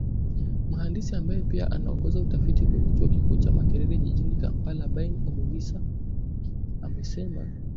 Mhandisi ambaye pia anaongoza utafiti kwenye chuo kikuu cha Makerere jijini Kampala Bain Omugisa amesema